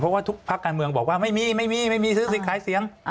เพราะว่าทุกพักการเมืองบอกว่าไม่มีซื้อสิขายเสียง